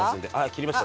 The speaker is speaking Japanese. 切りました？